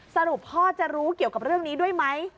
สรุปพ่อจะรู้เกี่ยวกับเรื่องนี้ด้วยไหม